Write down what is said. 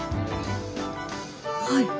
はい。